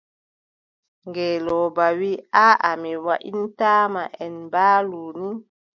Ngeelooba wii: aaʼa mi waʼitaa ma, en mbaalu ni.